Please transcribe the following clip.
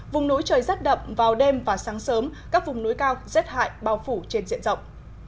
vùng núi trời rét đậm vào đêm và sáng sớm các vùng núi cao rét hại bao phủ trên diện rộng